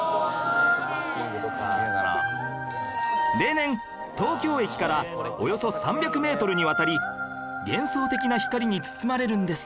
例年東京駅からおよそ３００メートルにわたり幻想的な光に包まれるんです